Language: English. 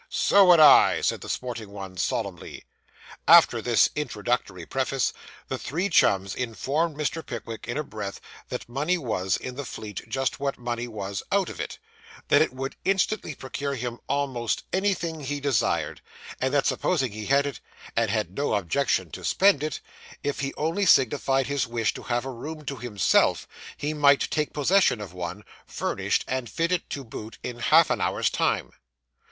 'So would I,' added the sporting one solemnly. After this introductory preface, the three chums informed Mr. Pickwick, in a breath, that money was, in the Fleet, just what money was out of it; that it would instantly procure him almost anything he desired; and that, supposing he had it, and had no objection to spend it, if he only signified his wish to have a room to himself, he might take possession of one, furnished and fitted to boot, in half an hour's time.